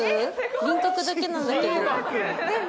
輪郭だけなんだけど。